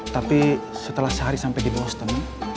tapi setelah sehari sampai di boston